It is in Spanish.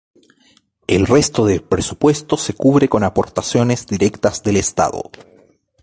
El resto del presupuesto se cubre con aportaciones directas del estado.